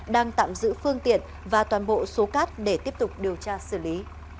đang tạm giữ phương tiện và toàn bộ số cát để tiếp tục điều tra xử lý